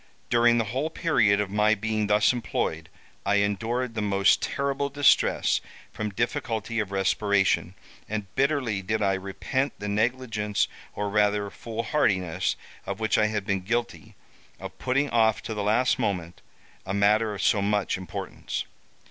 During the whole period of my being thus employed, I endured the most terrible distress from difficulty of respiration, and bitterly did I repent the negligence or rather fool hardiness, of which I had been guilty, of putting off to the last moment a matter of so much importance.